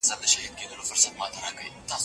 واعظان د کورني نظام په تنظيم کي رول لري.